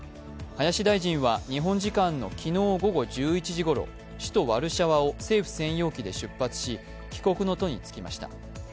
林大臣は日本時間の昨日午後１１時ごろ、首都ワルシャワを政府専用機で出発し帰国の途につきました。